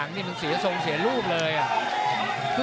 มันโดนแต่มันไม่ยุดนะ